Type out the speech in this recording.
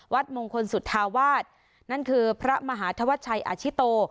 มงคลสุธาวาสนั่นคือพระมหาธวัชชัยอาชิโต